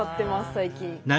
最近。